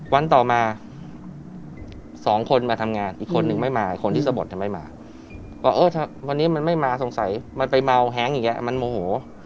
วันต่อมาสองคนมาทำงานอีกคนนึงไม่มาคนที่สะบดไม่มาว่าเออถ้าวันนี้มันไม่มาสงสัยมันไปเมาแฮ้งอย่างนี้มันโมโห